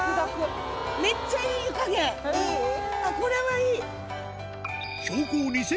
これはいい！